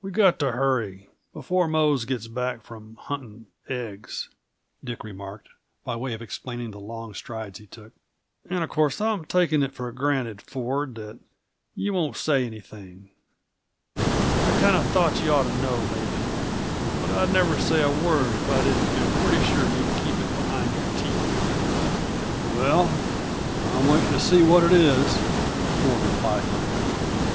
"We've got to hurry, before Mose gets back from hunting eggs," Dick remarked, by way of explaining the long strides he took. "And of course I'm taking it for granted, Ford, that you won't say anything. I kinda thought you ought to know, maybe but I'd never say a word if I didn't feel pretty sure you'd keep it behind your teeth." "Well I'm waiting to see what it is," Ford replied non committally.